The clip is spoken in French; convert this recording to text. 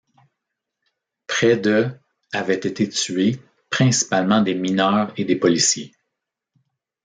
Près de avaient été tuées, principalement des mineurs et des policiers.